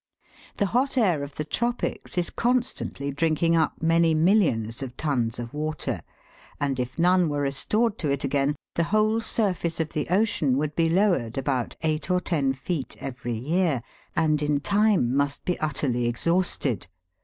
The hot air of the tropics is constantly drinking up many millions of tons of water, and if none were restored to it Fig. 14. SNOW CRYSTALS. again, the whole surface of the ocean would be lowered about eight or ten feet every year, and in time must be utterly exhausted.